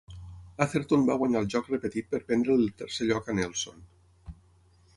Atherton va guanyar el joc repetit per prendre-li el tercer lloc a Nelson.